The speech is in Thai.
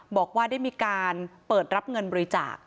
บอกว่าได้มีการเปิดรับเงินบริจาค